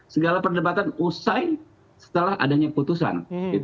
segala perdebatan usai setelah adanya putusan